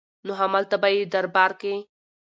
نو هملته به يې دربار کې